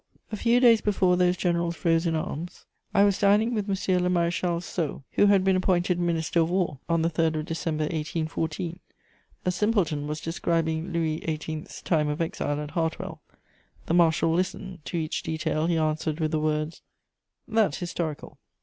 A few days before those generals rose in arms, I was dining with M. le Maréchal Soult, who had been appointed Minister of War on the 3rd of December 1814: a simpleton was describing Louis XVIII.'s time of exile at Hartwell; the marshal listened; to each detail he answered with the words: "That's historical."